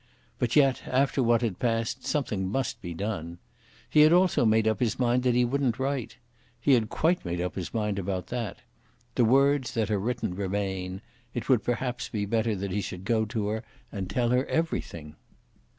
But yet, after what had passed, something must be done. He had also made up his mind that he wouldn't write. He had quite made up his mind about that. The words that are written remain. It would perhaps be better that he should go to her and tell her everything.